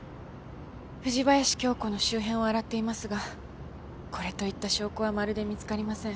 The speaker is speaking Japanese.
藤林経子の周辺を洗っていますがこれといった証拠はまるで見つかりません。